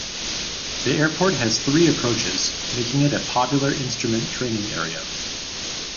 The airport has three approaches, making it a popular instrument training area.